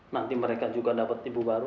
nanti mereka juga dapat ibu baru